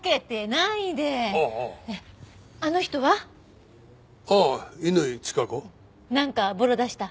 なんかボロ出した？